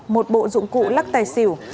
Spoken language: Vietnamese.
một bộ dụng cụ lắc tẩy xỉu